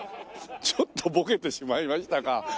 ちょっとボケてしまいましたが。